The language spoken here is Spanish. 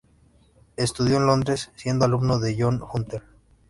Estudió en Londres, siendo alumno de John Hunter.